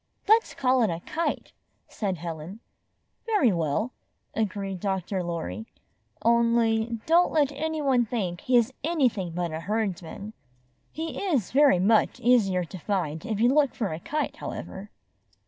''Let's call it a kite/' said Helen. ''Very well," agreed Dr. Lorry, "only don't let any one think he is anything but a Herds man. He is very much easier to find if you look for a kite, however."